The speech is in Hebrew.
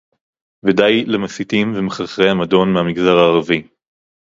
ודי למסיתים ומחרחרי המדון מהמגזר הערבי